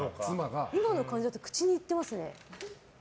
今の感じだと口にいってますね。